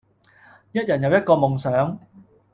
一人有一個夢想